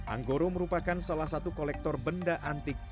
anggoro merupakan salah satu kolektor benda antik